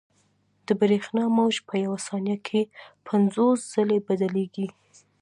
د برېښنا موج په یوه ثانیه کې پنځوس ځلې بدلېږي.